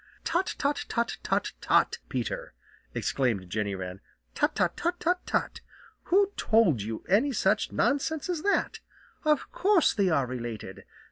"Tut, tut, tut, tut, tut, Peter!" exclaimed Jenny Wren. "Tut, tut, tut, tut, tut! Who told you any such nonsense as that? Of course they are related.